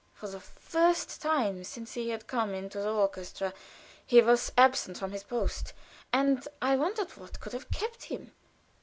For the first time since he had come into the orchestra he was absent from his post, and I wondered what could have kept him.